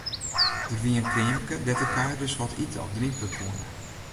Der wie in kreamke dêr't de kuierders wat ite of drinke koene.